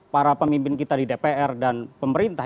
para pemimpin kita di dpr dan pemerintah